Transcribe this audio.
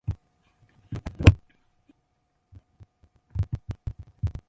من خەڵکی وڵاتێکی گەورەم ناوی کوردستانە